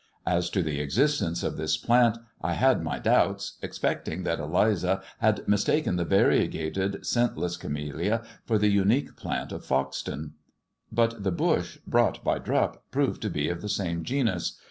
As to the existeDeel so ^^ of this plant I had my doubts, expecting that Eliza bsil ^ mistaken the variegated scentless camellia for the uniqoe I dat plant of Foxton. But the bush brought by Drupp proved I ^ to be of the same genus.